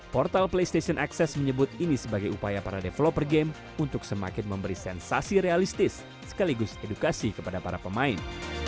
portal playstation access menyebut ini sebagai upaya para developer game untuk semakin memberi sensasi realistis sekaligus edukasi kepada para pemain